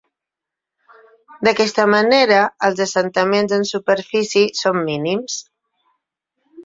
D'aquesta manera, els assentaments en superfície són mínims.